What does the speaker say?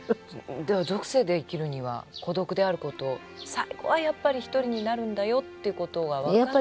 では俗世で生きるには孤独であることを最後はやっぱり一人になるんだよってことは分かって。